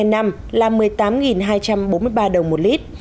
năm là một mươi tám hai trăm bốn mươi ba đồng một lít